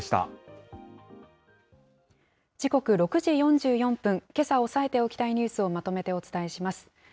時刻、６時４４分、けさ押さえておきたいニュースをまとめてお伝えします。